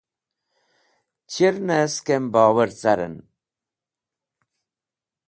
Chir ne skam bowar carẽn.